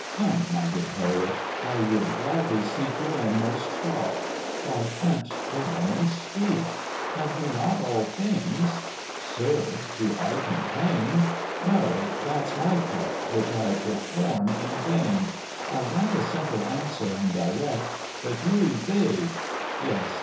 Come, my good Harriet, I would gladly seek Your inmost thought Why can't the woman speak? Have you not all things?" "Sir, do I complain?" "No, that's my part, which I perform in vain; I want a simple answer, and direct But you evade; yes!